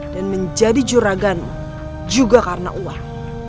dan menjadi juraganu juga karena uang